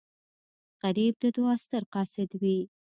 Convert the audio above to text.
غریب د دعا ستر قاصد وي